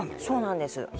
そうなんです